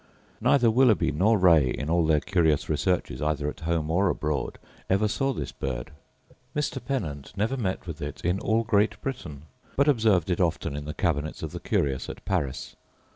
Neither Willughby nor Ray, in all their curious researches either at home or abroad, ever saw this bird. Mr. Pennant never met with it in all Great Britain, but observed it often in the cabinets of the curious at Paris.